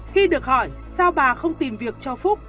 khi được hỏi sao bà không tìm việc cho phúc